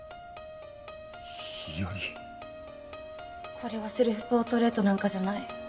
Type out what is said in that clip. これはセルフポートレートなんかじゃない。